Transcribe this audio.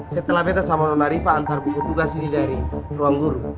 saya telah betes sama nona rifa antar buku tugas ini dari ruangguru